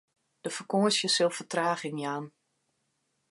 De fakânsje sil fertraging jaan.